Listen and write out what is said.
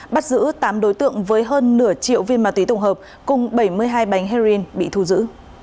bắt giữ tám đối tượng với hơn nửa triệu viên ma túy tổng hợp cùng bảy mươi hai bánh heroin bị thu giữ